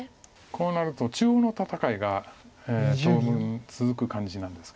こうなると中央の戦いが当分続く感じなんですけど。